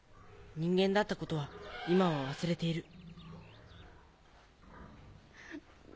人間だったことは今は忘れている。